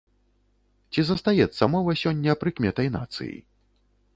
Ці застаецца мова сёння прыкметай нацыі?